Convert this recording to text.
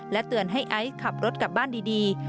เตือนให้ไอซ์ขับรถกลับบ้านดี